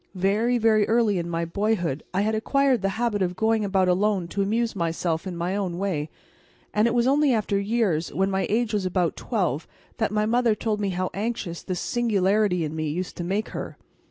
Very, very early in my boyhood I had acquired the habit of going about alone to amuse myself in my own way, and it was only after years, when my age was about twelve, that my mother told me how anxious this singularity in me used to make her.